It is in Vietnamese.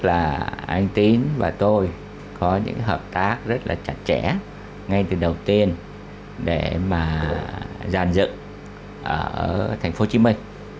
là anh tín và tôi có những hợp tác rất là chặt chẽ ngay từ đầu tiên để mà giàn dựng ở thành phố hồ chí minh